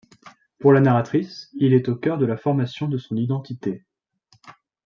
Pour la narratrice, il est au cœur de la formation de son identité.